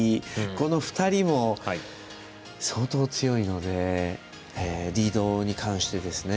この２人も相当強いのでリードに関してですね。